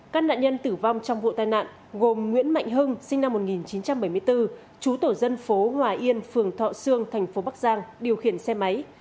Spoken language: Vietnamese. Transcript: các nạn nhân tử vong trong vụ tai nạn gồm nguyễn mạnh hưng sinh năm một nghìn chín trăm bảy mươi bốn chú tổ dân phố hòa yên phường thọ sương thành phố bắc giang điều khiển xe máy